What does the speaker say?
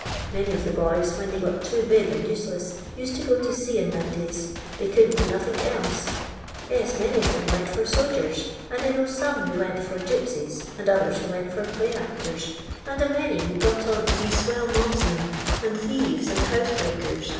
Many of the boys, when they got too big and useless, used to go to sea in them, days — they couldn't do nothink else. Yes, many of them went for aodgers; and I know some who went for Qipsitft, and others who went for play aotors, and a many who got on to be iwellr mobsmen, and thieres, and boosebreakert, and.